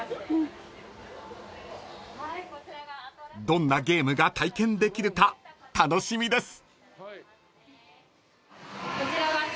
［どんなゲームが体験できるか楽しみです］